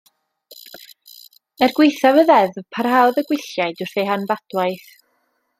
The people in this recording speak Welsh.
Er gwaethaf y ddeddf parhaodd y gwylliaid wrth eu hanfadwaith.